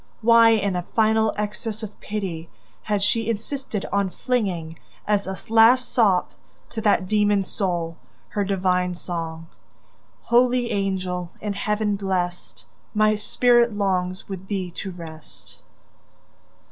Why, in a final access of pity, had she insisted on flinging, as a last sop to that demon's soul, her divine song: "Holy angel, in Heaven blessed, My spirit longs with thee to rest!"